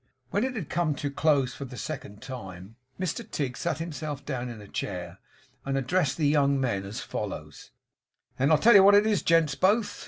When it had come to a close for the second time, Mr Tigg sat himself down in a chair and addressed the young men as follows: 'Then I tell you what it is, gents both.